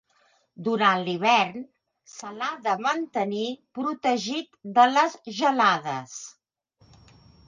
Durant l'hivern, se l'ha de mantenir protegit de les gelades.